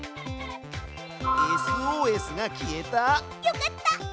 ＳＯＳが消えた！よかった！